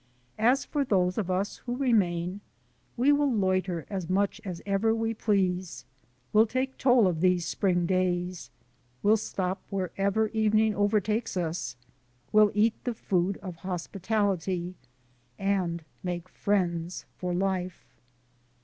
As for those of us who remain, we will loiter as much as ever we please. We'll take toll of these spring days, we'll stop wherever evening overtakes us, we'll eat the food of hospitality and make friends for life!